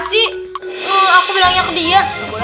aku bilangnya ke dia